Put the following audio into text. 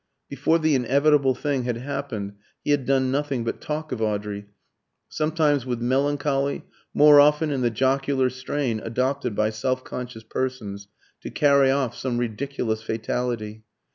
Before the inevitable thing had happened, he had done nothing but talk of Audrey, sometimes with melancholy, more often in the jocular strain adopted by self conscious persons to carry off some ridiculous fatality.